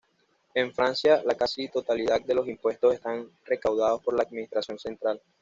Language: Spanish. En Francia la casi totalidad de los impuestos están recaudados por la administración central.